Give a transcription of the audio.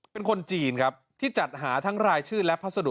เป็นคนจีนครับที่จัดหาทั้งรายชื่อและพัสดุ